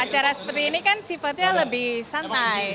acara seperti ini kan sifatnya lebih santai